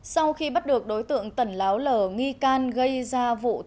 sau khi bắt được đối tượng tẩn láo lở nghi can gây ra vụn